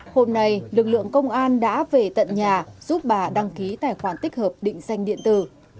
hôm nay lực lượng công an đã về tận nhà giúp bà đăng ký tài khoản tích hợp định danh điện tử